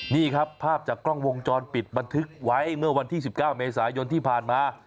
นี่ครับภาพจากกล้องวงจรปิดบันทึกไว้เมื่อวันที่๑๙เมษายนที่ผ่านมา